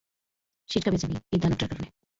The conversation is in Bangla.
সিটকা বেঁচে নেই, এই দানবটার কারণে।